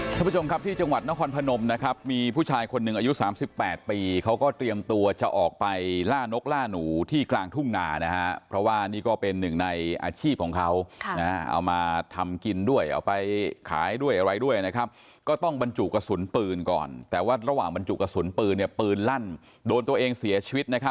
ท่านผู้ชมครับที่จังหวัดนครพนมนะครับมีผู้ชายคนหนึ่งอายุสามสิบแปดปีเขาก็เตรียมตัวจะออกไปล่านกล่าหนูที่กลางทุ่งนานะฮะเพราะว่านี่ก็เป็นหนึ่งในอาชีพของเขาเอามาทำกินด้วยเอาไปขายด้วยอะไรด้วยนะครับก็ต้องบรรจุกระสุนปืนก่อนแต่ว่าระหว่างบรรจุกระสุนปืนเนี่ยปืนลั่นโดนตัวเองเสียชีวิตนะครับ